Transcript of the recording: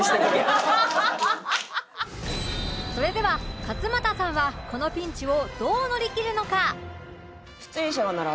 それでは勝俣さんはこのピンチをどう乗り切るのか？